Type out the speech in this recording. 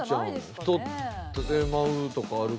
太ってまうとかあるから。